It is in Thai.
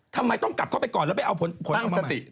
ทำไมต้องกลับเข้าไปก่อนแล้วไปเอาผลเอาสติ